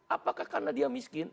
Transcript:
apakah karena dia miskin